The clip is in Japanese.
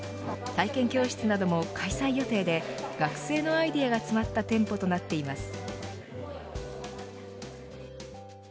体験教室なども開催予定で学生のアイデアが詰まった店舗となっています。